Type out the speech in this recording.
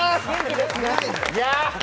いや！